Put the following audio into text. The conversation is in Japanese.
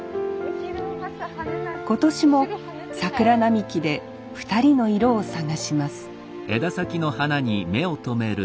今年も桜並木で２人の色を探します